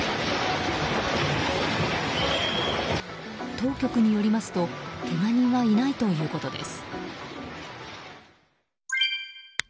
当局によりますとけが人はいないということです。